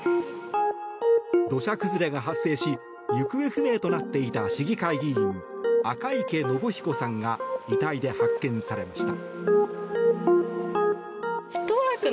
土砂崩れが発生し行方不明となっていた市議会議員赤池信彦さんが遺体で発見されました。